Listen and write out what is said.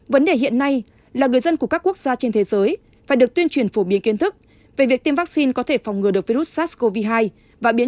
vấn đề hiện nay là người dân của các quốc gia trên thế giới phải được tuyên truyền phổ biến kiến thức về việc tiêm vắc xin có thể phát triển